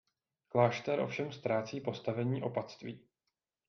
Klášter ovšem ztrácí postavení opatství.